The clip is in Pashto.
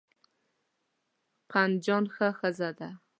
قندجان ښه ښځه ده.